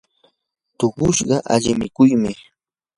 tuqushu ali mikuymi.